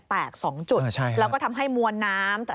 แตก๒จุดแล้วก็ทำให้มวลน้ำ